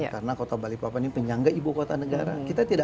karena kota balikpapan ini penyangga ibu kota negara